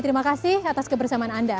terima kasih atas kebersamaan anda